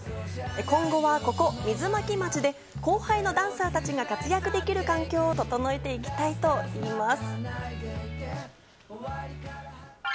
今後は、ここ水巻町で後輩のダンサーたちが活躍できる環境を整えていきたいといいます。